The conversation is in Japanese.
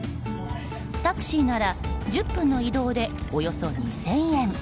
タクシーなら１０分の移動でおよそ２０００円。